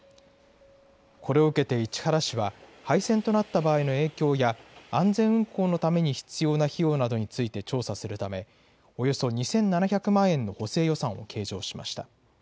これを受けて市原市は、廃線となった場合の影響や、安全運行のために必要な費用などについて調査するため、およそ２７００万円の補正予算を計上しました。